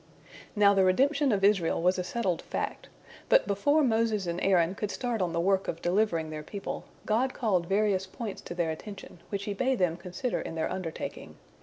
Now the redemption of Israel was a settled fact. But before Moses and Aaron could start on the work of delivering their people, God called various points to their attention, which He bade them consider in their undertaking.